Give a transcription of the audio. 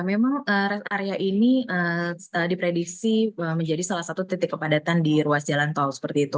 memang rest area ini diprediksi menjadi salah satu titik kepadatan di ruas jalan tol seperti itu